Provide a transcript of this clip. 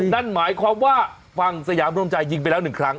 นั่นหมายความว่าฝั่งสยามรวมใจยิงไปแล้ว๑ครั้ง